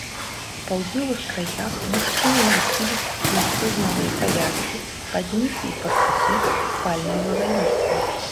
У паўднёвых краях мужчыны насілі насцёгнавыя павязкі, спадніцы і фартухі з пальмавага лісця.